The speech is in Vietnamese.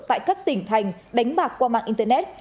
tại các tỉnh thành đánh bạc qua mạng internet